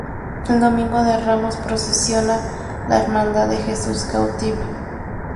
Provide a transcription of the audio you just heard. El domingo de ramos, procesiona la hermandad de Jesús Cautivo.